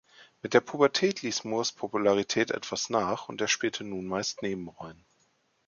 Mit der Pubertät ließ Moores Popularität etwas nach, und er spielte nun meist Nebenrollen.